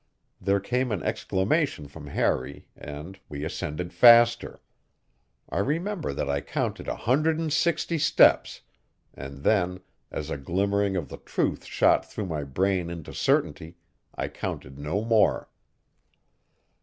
There came an exclamation from Harry, and we ascended faster. I remember that I counted a hundred and sixty steps and then, as a glimmering of the truth shot through my brain into certainty, I counted no more.